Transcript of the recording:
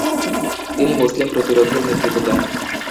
তিনি মুসলিম প্রতিরোধের নেতৃত্ব দেন।